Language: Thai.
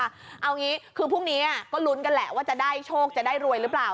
เอางี้คือพรุ่งนี้ก็ลุ้นกันแหละว่าจะได้โชคจะได้รวยหรือเปล่า